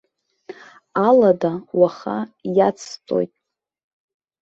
Алада уаха иацсҵоит.